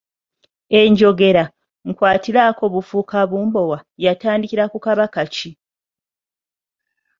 Enjogera "nkwatiraako bufuuka bumbowa" yatandikira ku Kabaka ki?